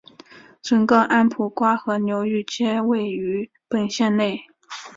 整个安普瓜河流域皆位于本县内。